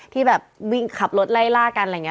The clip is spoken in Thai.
ที่แบบวิ่งขับรถไล่ล่ากันอะไรอย่างนี้